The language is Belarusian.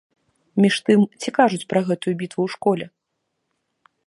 Між тым, ці кажуць пра гэтую бітву ў школе?